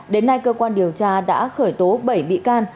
đến nay cơ quan điều tra đã khởi tố bảy bị can